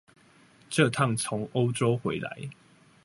這趟從歐洲回來